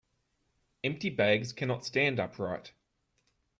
Empty bags cannot stand upright.